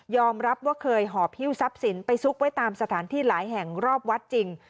รับว่าเคยหอบหิ้วทรัพย์สินไปซุกไว้ตามสถานที่หลายแห่งรอบวัดจริง